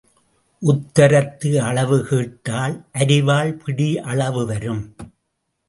உத்தரத்து அளவு கேட்டால் அரிவாள் பிடி அளவு வரும்.